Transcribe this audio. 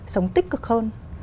sống tích cực hơn